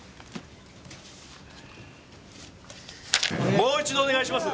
もう一度お願いします。